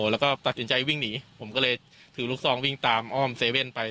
แล้วก็ตัดสินใจวิ่งหนีผมก็เลยถือลูกซองวิ่งตามอ้อมเซเว่นไป